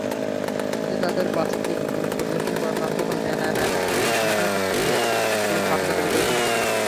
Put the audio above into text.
এতে তাঁদের বাস্তিল দুর্গ পরিদর্শনের বর্ণনা অথবা ম্যাকডোনাল্ডসে গিয়ে খাওয়াদাওয়ার বিবরণ থাকে।